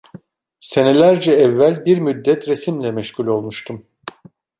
Senelerce evvel, bir müddet resimle meşgul olmuştum.